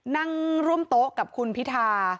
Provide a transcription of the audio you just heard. นั่งร่วมโต๊ะกับคุณพิธา